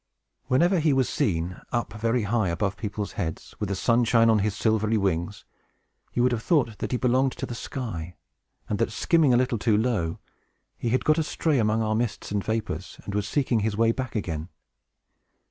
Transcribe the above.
Whenever he was seen, up very high above people's heads, with the sunshine on his silvery wings, you would have thought that he belonged to the sky, and that, skimming a little too low, he had got astray among our mists and vapors, and was seeking his way back again.